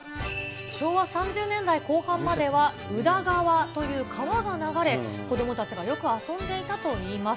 昭和３０年代後半までは、宇田川という川が流れ、子どもたちがよく遊んでいたといいます。